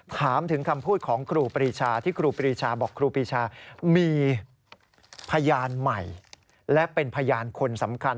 ถามถึงคำพูดของครูปรีชาที่ครูปรีชาบอกครูปีชามีพยานใหม่และเป็นพยานคนสำคัญ